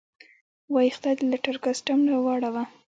وایي: خدای دې له ټل کسټم نه واړوه.